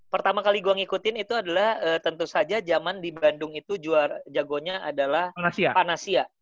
pertama kali gue ngikutin itu adalah tentu saja zaman di bandung itu juara jagonya adalah panasia